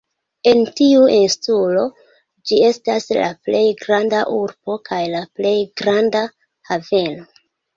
En tiu insulo ĝi estas la plej granda urbo kaj la plej granda haveno.